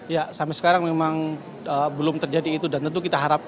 ya sampai sekarang memang belum terjadi itu